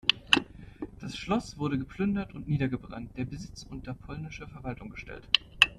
Das Schloss wurde geplündert und niedergebrannt, der Besitz unter polnische Verwaltung gestellt.